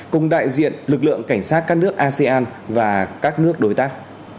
cùng đại diện lực lượng cảnh sát các nước asean và các nước đối tác